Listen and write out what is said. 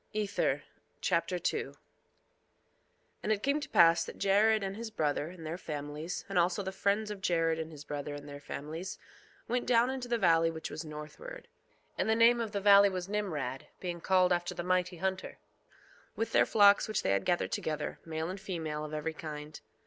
Ether Chapter 2 2:1 And it came to pass that Jared and his brother, and their families, and also the friends of Jared and his brother and their families, went down into the valley which was northward, (and the name of the valley was Nimrod, being called after the mighty hunter) with their flocks which they had gathered together, male and female, of every kind.